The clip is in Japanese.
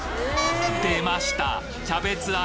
出ました！